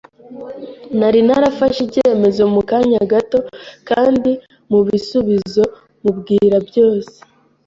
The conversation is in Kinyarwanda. Nari narafashe icyemezo mu kanya gato, kandi mubisubizo mubwira byose